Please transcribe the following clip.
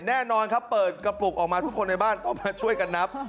แน่นอนครับเปิดกระปุกออกมาทุกคนในบ้านต้องมาช่วยกันนับ